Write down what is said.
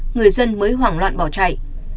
người dân mới hoảng loạn bỏ chạy